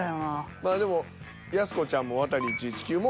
まあでもやす子ちゃんもワタリ１１９も。